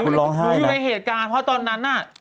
หนูอยู่ในเหตุการณ์เพราะว่าตอนนั้นน่ะ